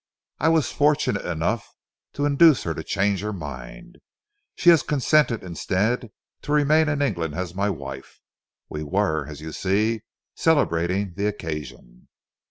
I was fortunate enough to induce her to change her mind. She has consented instead to remain in England as my wife. We were, as you see, celebrating the occasion."